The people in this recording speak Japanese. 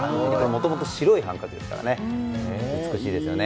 もともと白いハンカチなので美しいですよね。